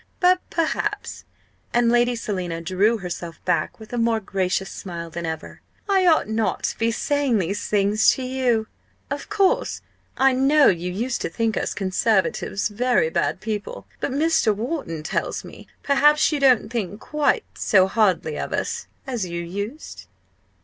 But perhaps" and Lady Selina drew herself back with a more gracious smile than ever "I ought not to be saying these things to you of course I know you used to think us Conservatives very bad people but Mr. Wharton tells me, perhaps you don't think quite so hardly of us as you used?"